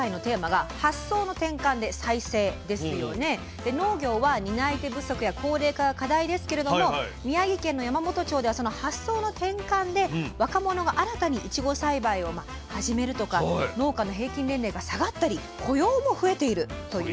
で農業は担い手不足や高齢化が課題ですけれども宮城県の山元町ではその発想の転換で若者が新たにいちご栽培を始めるとか農家の平均年齢が下がったり雇用も増えているという。